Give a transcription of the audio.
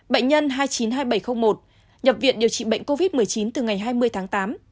bệnh nhân hai trăm chín mươi hai nghìn bảy trăm linh một nhập viện điều trị bệnh covid một mươi chín từ ngày hai mươi tháng tám